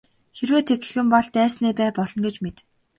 Хэрвээ тэгэх юм бол дайсны бай болно гэж мэд.